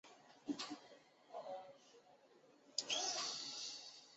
并于宗座慈幼大学取得大众传播心理学学士学位。